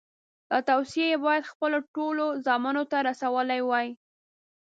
دا توصیې یې باید خپلو ټولو زامنو ته رسولې وای.